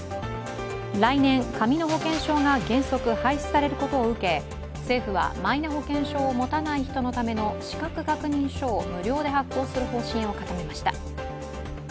来年、紙の保険証が原則廃止されることを受け政府はマイナ保険証を持たない人のための資格確認書を無料で発行する方針を固めました。